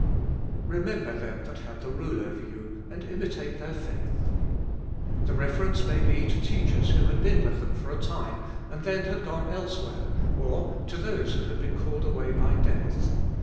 Remember them that had the rule over you, and imitate their faith. The reference may be to teachers who had been with them for a time, and then had gone elsewhere, or to those who had been called away by death.